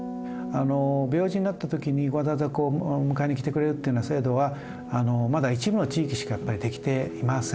病児になった時にわざわざ迎えに来てくれるっていうような制度はまだ一部の地域しか出来ていません。